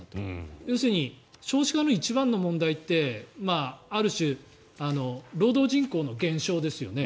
要するに少子化の一番の問題ってある種労働人口の減少ですよね。